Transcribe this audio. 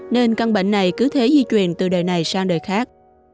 nên căn bệnh này cứ thế di truyền từ đời này sang đời khác